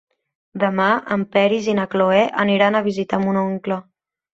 Demà en Peris i na Cloè aniran a visitar mon oncle.